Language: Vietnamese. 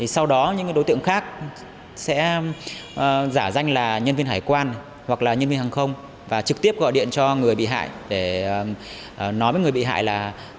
sau đó những đối tượng khác sẽ giả danh là nhân viên hải quan hoặc là nhân viên hàng không và trực tiếp gọi điện cho người bị hại để nói với người bị hại là